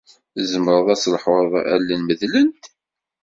Tzemreḍ ad telḥuḍ allen medlent?